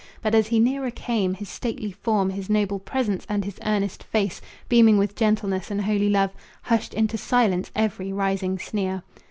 But as he nearer came, his stately form, His noble presence and his earnest face, Beaming with gentleness and holy love, Hushed into silence every rising sneer.